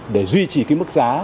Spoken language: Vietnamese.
để duy trì cái mức giá